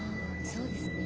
そうですね。